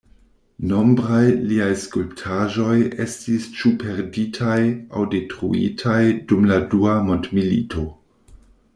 Nombraj liaj skulptaĵoj estis ĉu perditaj aŭ detruitaj dum la Dua Mondmilito.